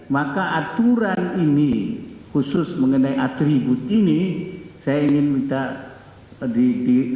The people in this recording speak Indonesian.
maka aturan ini khusus mengenai atribut ini saya ingin kita berharap untuk diregulasikan apakah itu peraturan di dalam negeri atau bahkan jadi undang undang